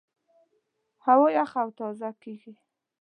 هوا یخه او تازه کېږي.